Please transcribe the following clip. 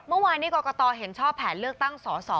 เมื่อวานนี้กรกตเห็นชอบแผนเลือกตั้งสส